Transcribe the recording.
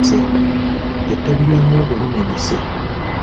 Ettabi lya muwogo limenyese.